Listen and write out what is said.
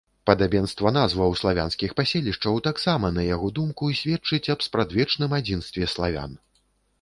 Падабенства назваў славянскіх паселішчаў таксама, на яго думку, сведчыць аб спрадвечным адзінстве славян.